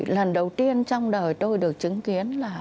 lần đầu tiên trong đời tôi được chứng kiến là